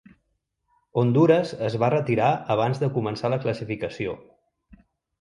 Hondures es va retirar abans de començar la classificació.